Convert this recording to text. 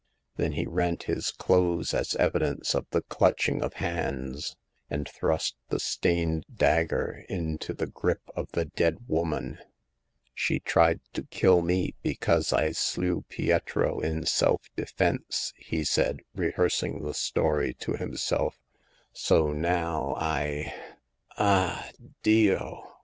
Then he rent his clothes as evidence of the clutching of hands, and thrust the stained dagger into the grip of the dead woman. She tried to kill me because I slew Pietro in self defense/' he said, rehearsing the story to himself ;" so now I— ah ! Dio !